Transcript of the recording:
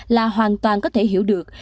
là hoàn toàn có thể hiểu được